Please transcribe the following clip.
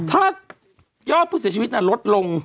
ถ้ายอดผู้เสียชีวิตลดลง